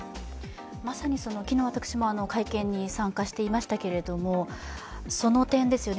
まさに昨日、私も会見に参加していましたけれども、その点ですよね。